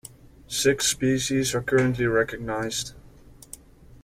Six species are currently recognized.